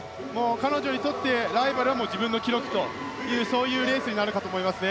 彼女にとってライバルは自分の記録というそういうレースになるかと思います。